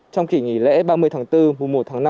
trong kỳ nghỉ lễ ba mươi tháng bốn mùa một tháng năm